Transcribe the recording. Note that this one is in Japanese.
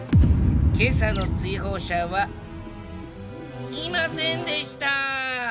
今朝の追放者はいませんでした！